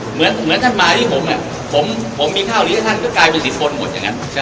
เหมือนท่านมาดีกันผมเนี่ยผมมีข้าวทีท่านก็เป็นสินบนหมดยังงั้น